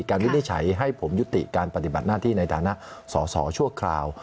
วินิจฉัยให้ผมยุติการปฏิบัติหน้าที่ในฐานะสอสอชั่วคราว